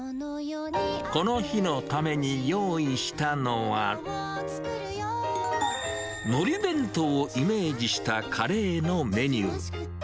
この日のために用意したのは、のり弁当をイメージしたカレーのメニュー。